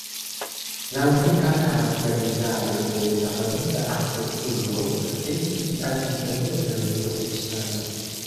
La unika karakterizaĵo de Sasanida arkitekturo, estis ĝia distingebla uzo de spaco.